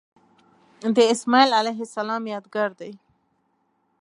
د اسمیل علیه السلام یادګار دی.